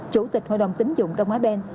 chủ tịch hội đồng tính dụng đông á ben